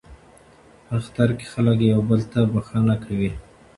په اختر کې خلک یو بل ته بخښنه کوي.